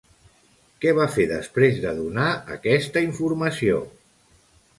Què va fer després de donar aquesta informació?